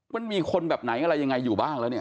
มันมีคนแบบไหนอะไรยังไงอยู่บ้างแล้วเนี่ย